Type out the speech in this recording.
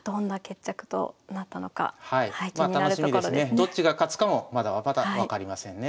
どっちが勝つかもまだまだ分かりませんね。